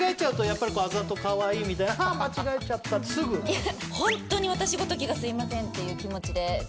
いやホンットに私ごときがすいませんっていう気持ちですぐ謝ります。